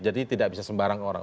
jadi tidak bisa sembarang orang